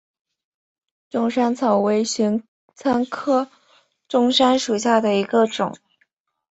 钟山草为玄参科钟山草属下的一个种。